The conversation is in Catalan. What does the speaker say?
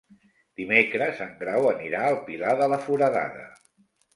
Dimecres en Grau anirà al Pilar de la Foradada.